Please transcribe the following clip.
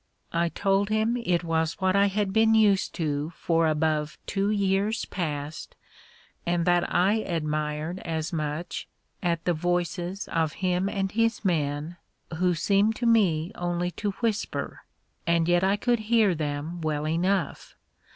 I told him it was what I had been used to for above two years past, and that I admired as much at the voices of him and his men, who seemed to me only to whisper, and yet I could hear them well enough.